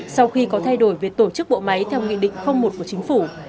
sau khi có thay đổi về tổ chức bộ máy theo nghị định một của chính phủ